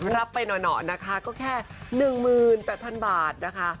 รับไปหน่อนะคะก็แค่๑๘๐๐๐บาทนะคะ